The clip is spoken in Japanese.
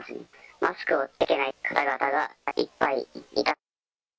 マスクを着けてない方々がいっぱいいた。